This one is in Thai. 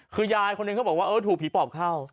คือยายคนหนึ่งเขาบอกว่าเออถูกผีปอบเข้า